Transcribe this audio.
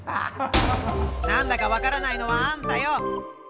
何だか分からないのはあんたよ！